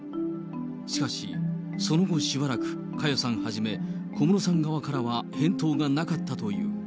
しかし、その後しばらく、佳代さんはじめ、小室さん側からは返答がなかったという。